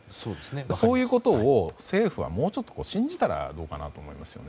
そういうことを、政府はもっと信じたらどうかなと思いますよね。